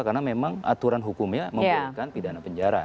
karena memang aturan hukumnya membutuhkan pidana penjara